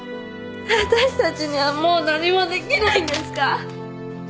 私たちにはもう何もできないんですか？